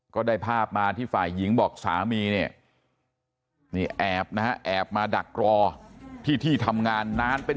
ก็ได้ภาพมาที่ฝ่ายหญิงบอกสามีเนี่ยนี่แอบนะฮะแอบมาดักรอที่ที่ทำงานนานเป็น